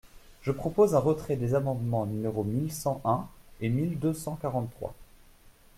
Je propose un retrait des amendements numéros mille cent un et mille deux cent quarante-trois.